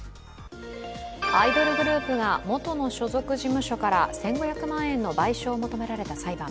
アイドルグループが元の所属事務所から１５００万円の賠償を求められた裁判。